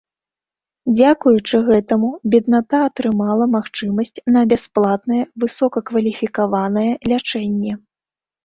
Дзякуючы гэтаму бедната атрымала магчымасць на бясплатнае высокакваліфікаванае лячэнне.